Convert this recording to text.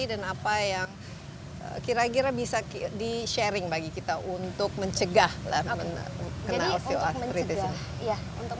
dan apa yang kira kira bisa di sharing bagi kita untuk mencegah lah kena osteoartritis ya untuk